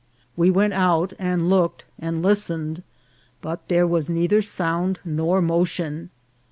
We went out, and looked, and listened ; but there was neither sound nor motion.